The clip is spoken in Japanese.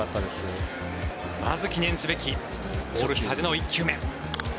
まず記念すべきオールスターでの１球目。